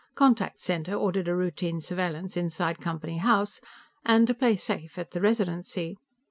"Contact Center ordered a routine surveillance inside Company House and, to play safe, at the Residency.